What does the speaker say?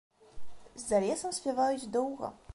За лесам спяваюць доўга.